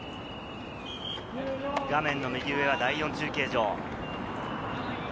画面の右上は第４中継所。